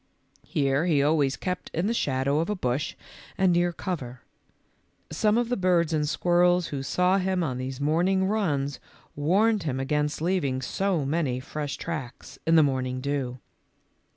Here he always kept in the shadow of a bush and near cover. Some of the birds and squirrels who saw him on these morning runs warned him against leaving so many fresh tracks in the morning dew.